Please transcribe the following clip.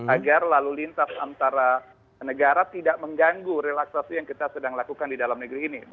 agar lalu lintas antara negara tidak mengganggu relaksasi yang kita sedang lakukan di dalam negeri ini